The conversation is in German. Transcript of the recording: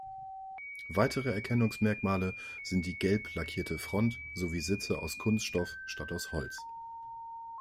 Weitere Erkennungsmerkmale sind die gelb lackierte Front sowie Sitze aus Kunststoff statt aus Holz.